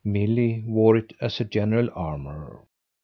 Milly wore it as a general armour.